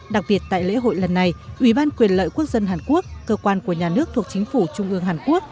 đặc biệt tại lễ hội lần này ubqlh cơ quan của nhà nước thuộc chính phủ trung ương hàn quốc